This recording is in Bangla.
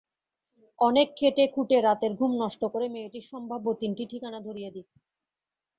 অনেক খেটেখুটে, রাতের ঘুম নষ্ট করে মেয়েটির সম্ভাব্য তিনটি ঠিকানা ধরিয়ে দিই।